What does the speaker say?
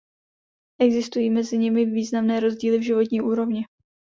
Existují mezi nimi významné rozdíly v životní úrovni.